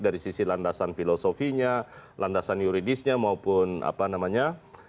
dari sisi landasan filosofinya landasan yuridisnya maupun apa namanya